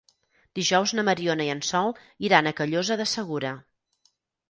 Dijous na Mariona i en Sol iran a Callosa de Segura.